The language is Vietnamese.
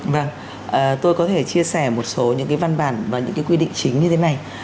vâng tôi có thể chia sẻ một số những cái văn bản và những cái quy định chính như thế này